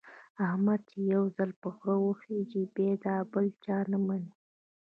احمد چې یو ځل په غره وخېژي، بیا د بل چا نه مني.